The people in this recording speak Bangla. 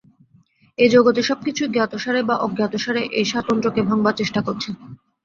এই জগতে সব কিছুই জ্ঞাতসারে বা অজ্ঞাতসারে এই স্বাতন্ত্র্যকে ভাঙবার চেষ্টা করছে।